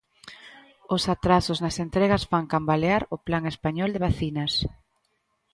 Os atrasos nas entregas fan cambalear o plan español de vacinas.